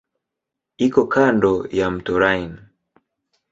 Iko kando ya mto Rhine.